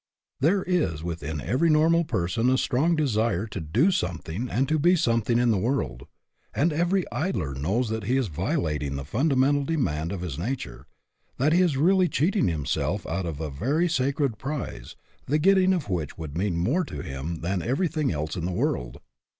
There is within every normal person a strong desire to do something and to be something in the world ; and every idler knows that he is violating the fundamental demand of his na ture; that he is really cheating himself out of a very sacred prize, the getting of which would mean more to him than everything else in the world.